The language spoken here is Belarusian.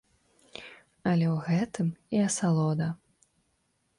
Але ў гэтым і асалода.